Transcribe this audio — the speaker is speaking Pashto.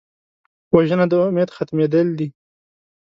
وژنه د امید ختمېدل دي